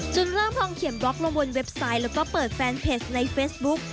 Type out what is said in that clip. เริ่มลองเขียนบล็อกลงบนเว็บไซต์แล้วก็เปิดแฟนเพจในเฟซบุ๊ก